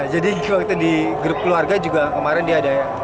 jadi waktu di grup keluarga juga kemarin dia ada peluang